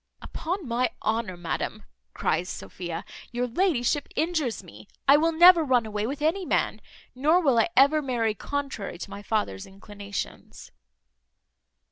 "Upon my honour, madam," cries Sophia, "your ladyship injures me. I will never run away with any man; nor will I ever marry contrary to my father's inclinations."